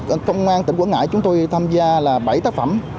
ở công an tỉnh quảng ngãi chúng tôi tham gia là bảy tác phẩm